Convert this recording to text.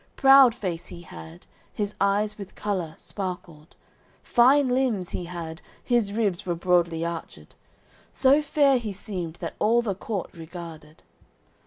Proud face he had, his eyes with colour, sparkled; Fine limbs he had, his ribs were broadly arched So fair he seemed that all the court regarded.